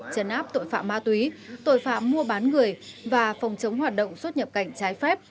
chấn áp tội phạm ma túy tội phạm mua bán người và phòng chống hoạt động xuất nhập cảnh trái phép